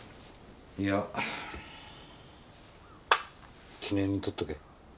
いや記念に取っとけ。